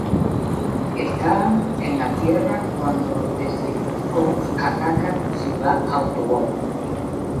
Están en la Tierra cuando los Decepticons atacan Ciudad Autobot.